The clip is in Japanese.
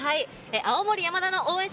青森山田の応援席。